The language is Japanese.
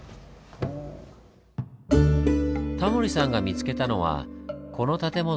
タモリさんが見つけたのはこの建物の梁。